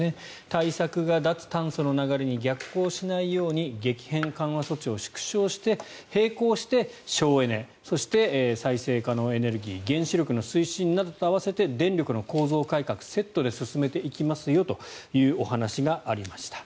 対策が脱炭素の流れに逆行しないように激変緩和措置を縮小して並行して省エネそして再生可能エネルギー原子力の推進などと合わせて電力の構造改革をセットで進めていきますよというお話がありました。